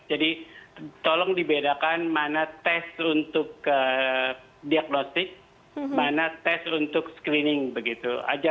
jadi tolong dibedakan mana tes untuk diagnostik mana tes untuk screening begitu